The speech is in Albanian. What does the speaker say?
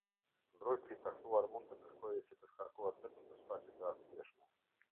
Mbrojtësi i caktuar mund të kërkojë që të shkarkohet vetëm për shkaqe të arsyeshme.